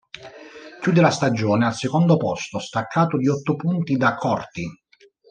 Chiude la stagione al secondo posto, staccato di otto punti da Corti.